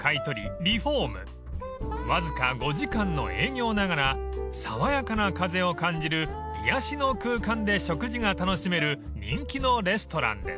［わずか５時間の営業ながら爽やかな風を感じる癒やしの空間で食事が楽しめる人気のレストランです］